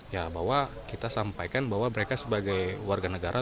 ya bahwa kita sampaikan bahwa mereka sebagai warga negara